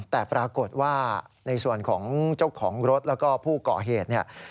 แต่ปรากฏว่าในส่วนของเจ้าของรถแล้วก็ผู้ก่อเหตุเนี่ย